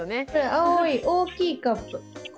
青い大きいカップ。